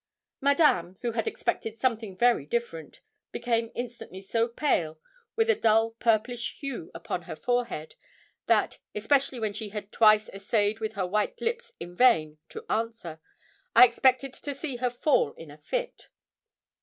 Madame, who had expected something very different, became instantly so pale, with a dull purplish hue upon her forehead, that, especially when she had twice essayed with her white lips, in vain, to answer, I expected to see her fall in a fit.